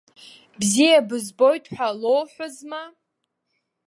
Бзиа бызбоит ҳәа лоуҳәозма?